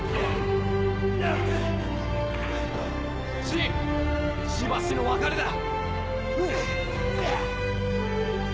信しばしの別れだ！